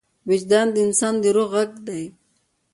وجدان د انسان د روح غږ دی.